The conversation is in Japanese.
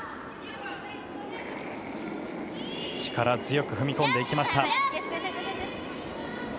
力強く踏み込んでいきました。